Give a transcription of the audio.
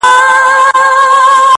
هارون جان ته د نوي کال او پسرلي ډالۍ:-